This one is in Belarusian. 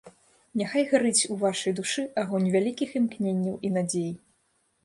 Няхай гарыць у вашай душы агонь вялікіх імкненняў і надзей.